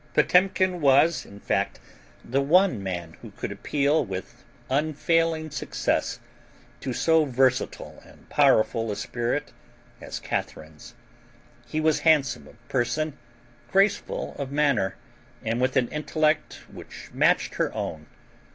Potemkin was, in fact, the one man who could appeal with unfailing success to so versatile and powerful a spirit as Catharine's. He was handsome of person, graceful of manner, and with an intellect which matched her own.